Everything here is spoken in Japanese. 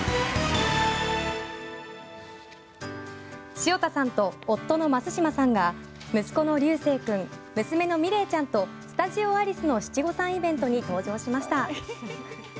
潮田さんの夫・増嶋さんが息子のりゅうせい君娘のみれいちゃんとスタジオアリスの七五三イベントに登場しました。